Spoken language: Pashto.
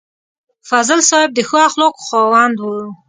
فضل صاحب د ښو اخلاقو خاوند و.